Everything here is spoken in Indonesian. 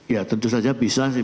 ya tentu saja bisa